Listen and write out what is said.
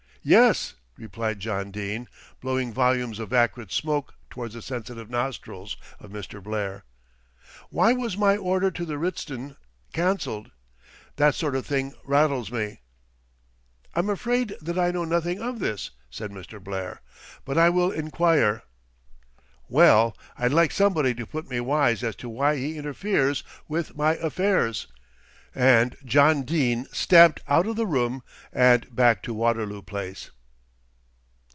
"Yes," replied John Dene, blowing volumes of acrid smoke towards the sensitive nostrils of Mr. Blair. "Why was my order to the Ritzton cancelled? That sort of thing rattles me." "I'm afraid that I know nothing of this," said Mr. Blair, "but I will enquire." "Well, I'd like somebody to put me wise as to why he interferes with my affairs," and John Dene stamped out of the room and back to Waterloo Place.